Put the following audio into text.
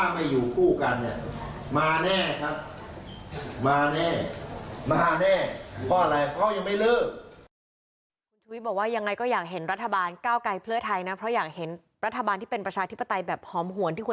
มาแน่เพราะอะไรเพราะเขายังไม่ลืม